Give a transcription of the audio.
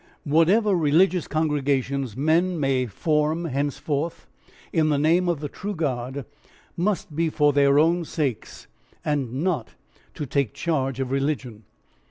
Whatever religious congregations men may form henceforth in the name of the true God must be for their own sakes and not to take charge of religion.